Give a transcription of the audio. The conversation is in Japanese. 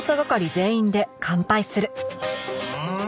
うん！